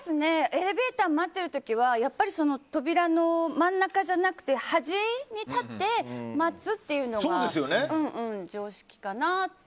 エレベーター待ってる時は扉の真ん中じゃなくて端に立って待つというのが常識かなと。